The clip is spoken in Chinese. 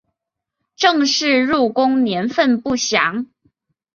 郑氏入宫年份不详。